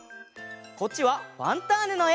こっちは「ファンターネ！」のえ。